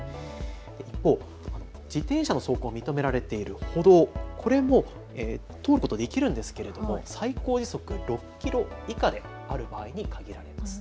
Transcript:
一方、自転車の走行が認められている歩道、これも通ることができるんですけれど最高時速６キロ以下である場合に限られます。